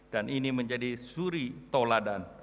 dan ini menjadi suri toladan